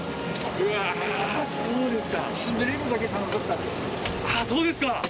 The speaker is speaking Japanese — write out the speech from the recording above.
わぁそうですか。